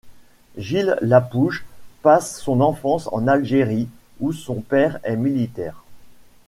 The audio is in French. Gilles Lapouge passe son enfance en Algérie où son père est militaire.